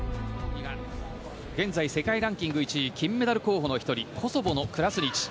現在、世界ランキング１位金メダル候補の１人コソボのクラスニチ。